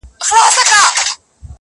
د لوړتیا د محبوب وصل را حاصل سي-